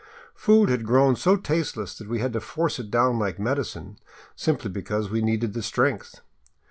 Food had grown so tasteless that we had to force it down like medicine, simply because we needed the strength.